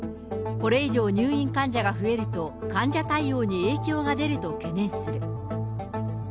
これ以上、入院患者が増えると、患者対応に影響が出ると懸念する。